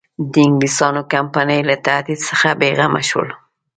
د انګلیسیانو کمپنۍ له تهدید څخه بېغمه شول.